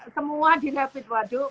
semua dilepit waduh